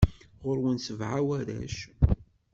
Ɣur-wen sebɛa warrac.